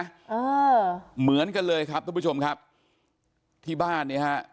เออเหมือนกันเลยครับทุกผู้ชมครับที่บ้านเนี้ยฮะ